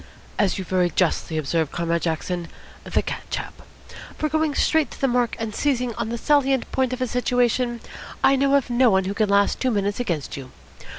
"As you very justly observe, Comrade Jackson, the cat chap. For going straight to the mark and seizing on the salient point of a situation, I know of no one who can last two minutes against you.